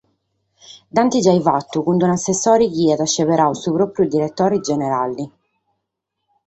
Dd’ant giai fatu cun un’assessore chi aiat seberadu su pròpiu diretore generale.